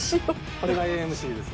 これがＡＭＣです。